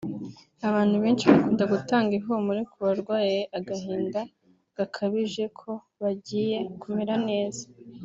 Abantu benshi bakunda gutanga ihumure ku barwaye agahinda gakabije ko bagiye kumera neza